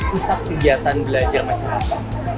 pusat kegiatan belajar masyarakat